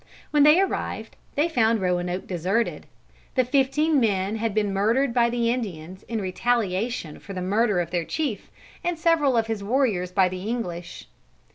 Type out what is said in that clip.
When they arrived, they found Roanoke deserted. The fifteen men had been murdered by the Indians in retaliation for the murder of their chief and several of his warriors by the English.